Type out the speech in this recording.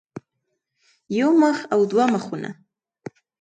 يو مخ او دوه مخونه